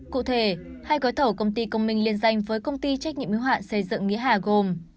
cụ thể hai gói thầu công ty công minh liên danh với công ty trách nhiệm hữu hạn xây dựng nghĩa hà gồm